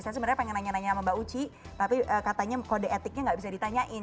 saya sebenarnya pengen nanya nanya sama mbak uci tapi katanya kode etiknya nggak bisa ditanyain